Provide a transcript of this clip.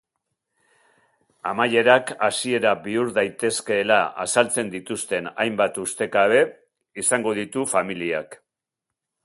Amaierak hasiera bihur daitezkeela azaltzen dituzten hainbat ustekabe izango ditu familiak.